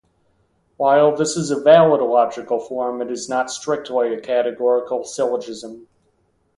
While this is a valid logical form, it is not strictly a categorical syllogism.